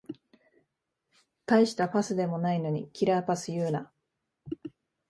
たいしたパスでもないのにキラーパス言うな